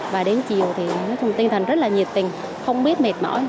và đến chiều thì tinh thần rất là nhiệt tình không biết mệt mỏi